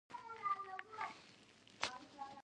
د هغو پراختیا له کورنۍ څخه پیل کیږي.